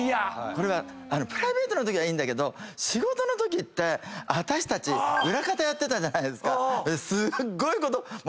これはプライベートのときはいいんだけど仕事のときって私たち裏方やってたじゃないですか。